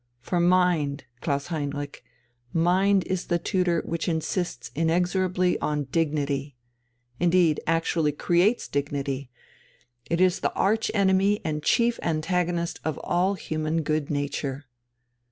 For mind, Klaus Heinrich, mind is the tutor which insists inexorably on dignity, indeed actually creates dignity, it is the arch enemy and chief antagonist of all human good nature.